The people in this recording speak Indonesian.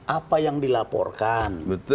apa yang dilaporkan